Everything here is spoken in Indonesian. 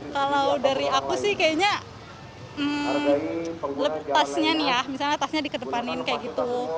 kalau dari aku sih kayaknya tasnya nih ya misalnya tasnya dikedepanin kayak gitu